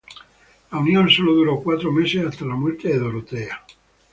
La unión solo duró cuatro meses hasta la muerte de Dorotea.